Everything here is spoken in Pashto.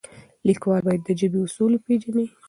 لیکوال باید د ژبې اصول وپیژني.